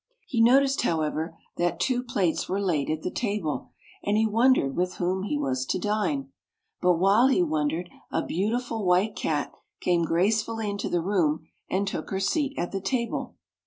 He noticed, however, that two plates were laid [ 64 ] THE WHITE CAT at the table, and he wondered with whom he was to dine. But while he wondered, a beau tiful White Cat came gracefully into the room and took her seat at the table.